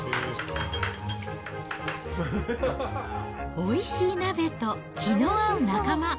おいしい鍋と気の合う仲間。